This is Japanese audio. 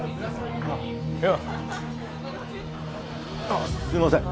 あっすいません。